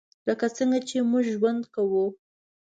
لکه څنګه چې موږ ژوند کوو .